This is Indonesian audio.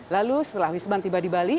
lalu setelah wisman tiba di bali